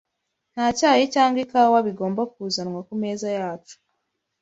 Nta cyayi cyangwa ikawa bigomba kuzanwa ku meza yacu.